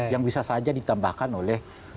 yang bisa saja ditambahkan oleh